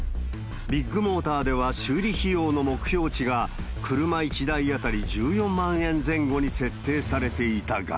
ビッグモーターでは、修理費用の目標値が、車１台当たり１４万円前後に設定されていたが。